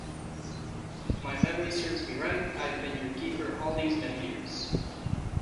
If my memory serves me right, I've been your keeper all these many years.